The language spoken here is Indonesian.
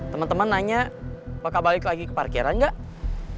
teman teman nanya bakal balik lagi ke parkiran nggak